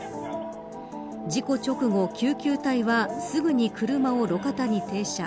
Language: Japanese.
事故直後、救急隊はすぐに車を路肩に停車。